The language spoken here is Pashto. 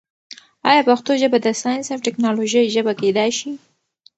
آیا پښتو ژبه د ساینس او ټیکنالوژۍ ژبه کېدای شي؟